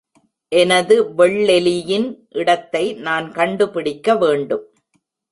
எனது வெள்ளெலியின் இடத்தை நான் கண்டுபிடிக்க வேண்டும்.